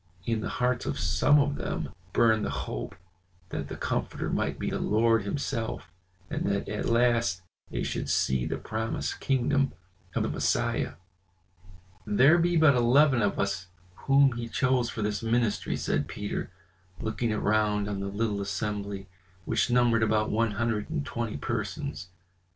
In the hearts of some of them burned the hope that the Comforter might be the Lord himself, and that at last they should see the promised kingdom of the Messiah. "There be but eleven of us whom He chose for this ministry," said Peter, looking around on the little assembly, which numbered about one hundred and twenty persons.